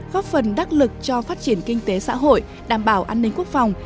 góp phần đắc lực cho phát triển kinh tế xã hội đảm bảo an ninh quốc phòng